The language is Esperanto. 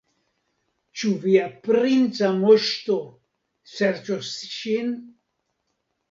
Ĉu via princa moŝto serĉos ŝin?